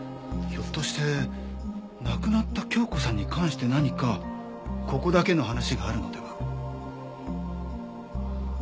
ひょっとして亡くなった教子さんに関して何かここだけの話があるのでは？